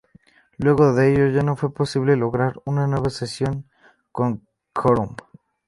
Luego de ello ya no fue posible lograr una nueva sesión con quórum.